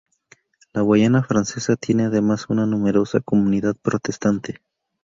La Guayana Francesa tiene además una numerosa comunidad protestante.